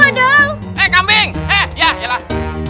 eh kambing eh ya ya lah